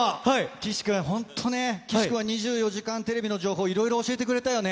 岸君、本当ね、岸君は２４時間テレビの情報をいろいろ教えてくれたよね。